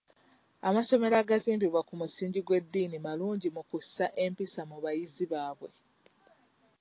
Amasomero agazimbidwa kumusingi gw'eddini malungi mu kussa empisa mu bayizi baabwe.